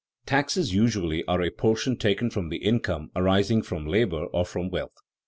_Taxes usually are a portion taken from the income arising from labor or from wealth.